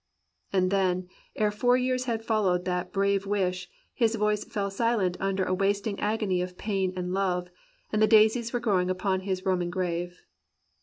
And then, ere four years had followed that brave wish, his voice fell silent under a wasting agony of pain and love, and the daisies were growing upon his Roman grave.